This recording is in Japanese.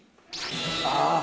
ああ。